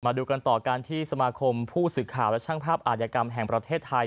ดูกันต่อการที่สมาคมผู้สื่อข่าวและช่างภาพอาจยกรรมแห่งประเทศไทย